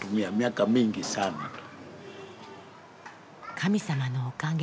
神様のおかげ。